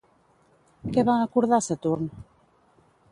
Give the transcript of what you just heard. Què va acordar Saturn?